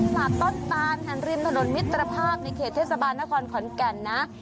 ตลาดต้นตานค่ะริมถนนมิตรภาพในเขตเทศบาลนครขอนแก่นนะ